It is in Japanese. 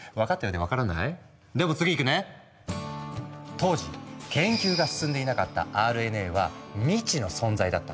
当時研究が進んでいなかったＲＮＡは未知の存在だったの。